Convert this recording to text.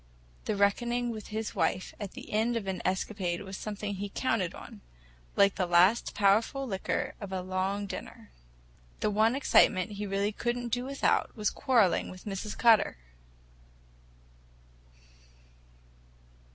The reckoning with his wife at the end of an escapade was something he counted on—like the last powerful liqueur after a long dinner. The one excitement he really could n't do without was quarreling with Mrs. Cutter!